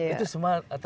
itu semua terminas